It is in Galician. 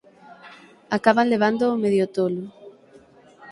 Acaban levándoo medio tolo.